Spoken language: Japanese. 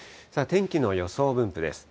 天気の予想分布です。